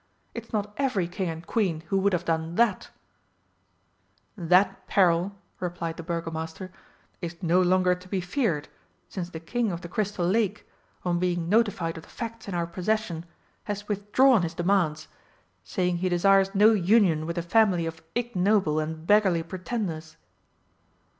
It's not every King and Queen who would have done that." "That peril," replied the Burgomaster, "is no longer to be feared, since the King of the Crystal Lake, on being notified of the facts in our possession, has withdrawn his demands, saying he desires no union with a family of ignoble and beggarly pretenders."